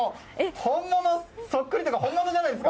本物そっくりというか本物じゃないですか。